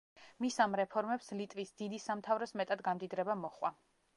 მის ამ რეფორმებს ლიტვის დიდი სამთავროს მეტად გამდიდრება მოჰყვა.